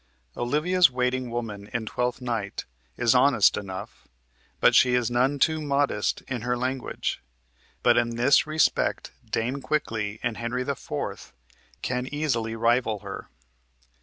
Olivia's waiting woman in "Twelfth Night" is honest enough, but she is none too modest in her language, but in this respect Dame Quickly in "Henry IV." can easily rival her.